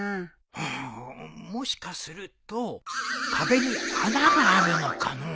うんもしかすると壁に穴があるのかのう。